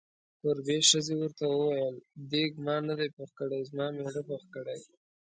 کوربې ښځې ورته وویل: دیګ ما نه دی پوخ کړی، زما میړه پوخ کړی.